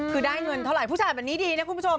คือได้เงินเท่าไหร่ผู้ชายแบบนี้ดีนะคุณผู้ชม